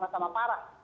kami sama sama parah